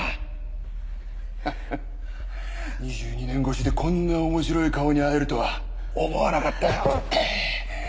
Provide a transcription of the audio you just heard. ２２年越しでこんな面白い顔に会えるとは思わなかったよ。